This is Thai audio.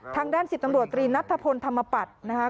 ทางด้าน๑๐ตำรวจตรีนัทธพลธรรมปัตย์นะคะ